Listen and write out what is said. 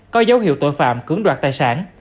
có dấu hiệu tội phạm cưỡng đoạt tài sản